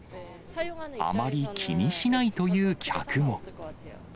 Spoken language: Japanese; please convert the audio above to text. あまり気にしないという客も。